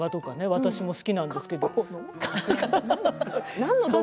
私も好きなんですけど。